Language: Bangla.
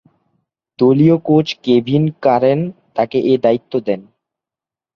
দলীয় কোচ কেভিন কারেন তাকে এ দায়িত্ব দেন।